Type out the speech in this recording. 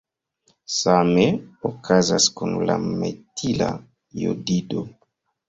Same okazas kun la metila jodido.